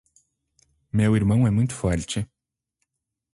Meu irmão é muito forte.